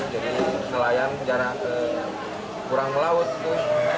jadi nelayan jarak kurang melaut itu